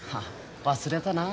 忘れたな